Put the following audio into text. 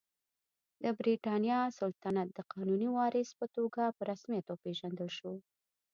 د برېټانیا سلطنت د قانوني وارث په توګه په رسمیت وپېژندل شو.